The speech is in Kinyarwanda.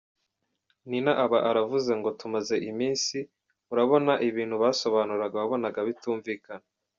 Nina aba aravuze ngo tumaze iminsi, urabona,…ibintu basobanuraga wabonaga bitumvikana.